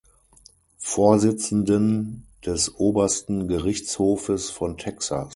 Vorsitzenden des Obersten Gerichtshofes von Texas.